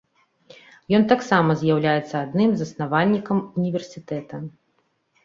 Ён таксама з'яўляецца адным з заснавальнікаў універсітэта.